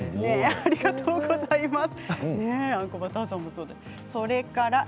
ありがとうございます。